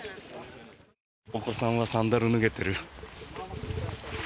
お子さんはサンダル、脱げてる。